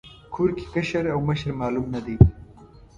کور کې کشر او مشر معلوم نه دی.